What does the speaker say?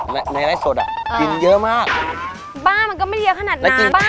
ในในในสดอ่ะกินเยอะมากบ้านมันก็ไม่เยอะขนาดนานบ้าน